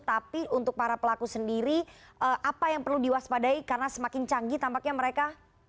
tapi untuk para pelaku sendiri apa yang perlu diwaspadai karena semakin canggih tampaknya mereka